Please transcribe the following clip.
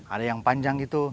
ada yang panjang gitu